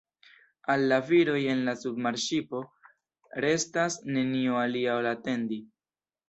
Al la viroj en la submarŝipo restas nenio alia ol atendi.